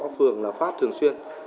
phường là phát thường xuyên